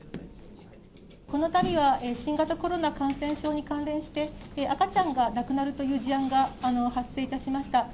このたびは新型コロナ感染症に関連して、赤ちゃんが亡くなるという事案が発生いたしました。